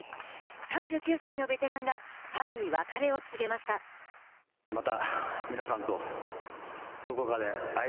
３９歳のベテランがファンに別れを告げました。